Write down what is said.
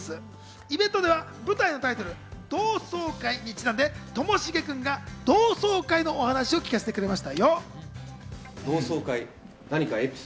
イベントでは舞台のタイトル、同窓会にちなんで、ともしげ君が同窓会のお話を聞かせてくれました。